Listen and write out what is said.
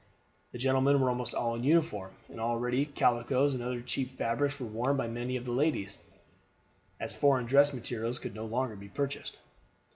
The gentlemen were almost all in uniform, and already calicoes and other cheap fabrics were worn by many of the ladies, as foreign dress materials could no longer be purchased.